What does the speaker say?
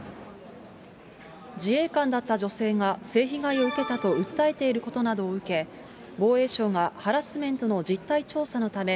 自衛官だった女性が、性被害を受けたと訴えていることなどを受け、防衛省が、ハラスメントの実態調査のため、